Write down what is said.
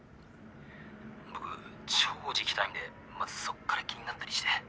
僕超字汚いんでまずそっから気になったりして。